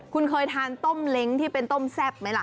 คุณเคยทานต้มเล้งที่เป็นต้มแซ่บไหมล่ะ